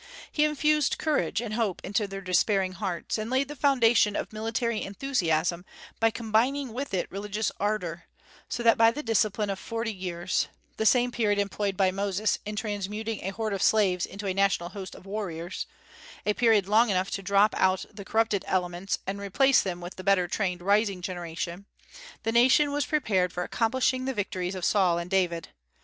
He infused courage and hope into their despairing hearts, and laid the foundation of military enthusiasm by combining with it religious ardor; so that by the discipline of forty years, the same period employed by Moses in transmuting a horde of slaves into a national host of warriors; a period long enough to drop out the corrupted elements and replace them with the better trained rising generation, the nation was prepared for accomplishing the victories of Saul and David.